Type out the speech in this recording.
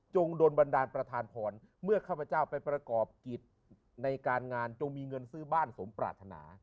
โดนบันดาลประธานพรเมื่อข้าพเจ้าไปประกอบกิจในการงานจงมีเงินซื้อบ้านสมปรารถนา